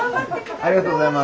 ありがとうございます。